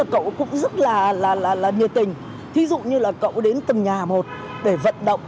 cậu cũng rất là nhiệt tình thí dụ như là cậu đến từng nhà một để vận động